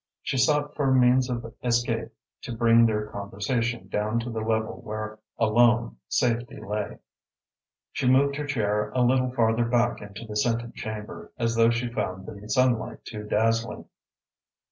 She sought for means of escape, to bring their conversation down to the level where alone safety lay. She moved her chair a little farther back into the scented chamber, as though she found the sunlight too dazzling.